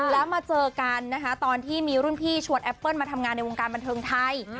แล้วมาเจอกันนะคะตอนที่มีรุ่นพี่ชวนแอปเปิ้ลมาทำงานในวงการบันเทิงไทย